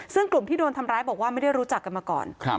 ซึ่งกลุ่มที่โดนทำร้ายบอกว่าไม่ได้รู้จักกันมาก่อน